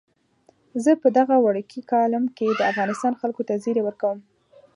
زه په دغه وړوکي کالم کې د افغانستان خلکو ته زیری ورکوم.